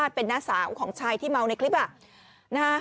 แถมยังไม่ยอมกลับอ่ะ